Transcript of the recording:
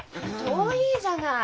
遠いじゃない。